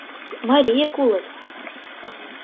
Марияк улыт.